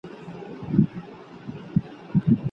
ولي ځايي واردوونکي خوراکي توکي له چین څخه واردوي؟